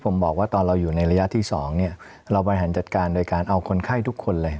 ผมบอกว่าตอนเราอยู่ในระยะที่๒เราบริหารจัดการโดยการเอาคนไข้ทุกคนเลย